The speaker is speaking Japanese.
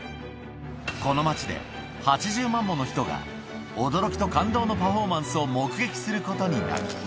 この町で、８０万もの人が、驚きと感動のパフォーマンスを目撃することになる。